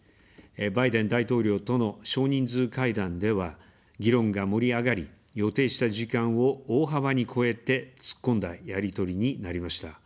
バイデン大統領との少人数会談では、議論が盛り上がり、予定した時間を大幅に超えて、突っ込んだやり取りになりました。